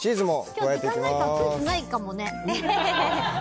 今日、よく考えたらクイズないかもね。